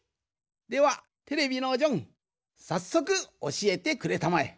ではテレビのジョンさっそくおしえてくれたまえ。